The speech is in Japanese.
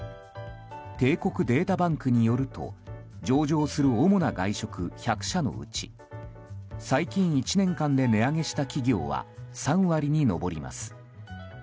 帝国データバンクによると上場する主な外食１００社のうち最近１年間で値上げした企業は３割に上ります。